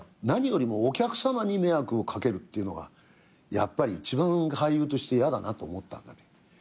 何よりもお客さまに迷惑をかけるっていうのがやっぱり一番俳優として嫌だなと思ったんだね。